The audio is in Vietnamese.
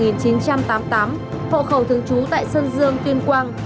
năm một nghìn chín trăm tám mươi tám hộ khẩu thường trú tại sơn dương tuyên quang